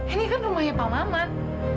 ini kan rumahnya pak maman